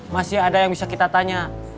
masih ada yang bisa kita tanya